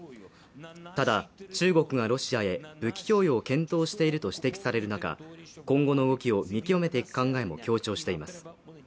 ただ、中国がロシアへ武器供与を検討していると指摘される中、今後の動きを見極めていく考えも強調しています。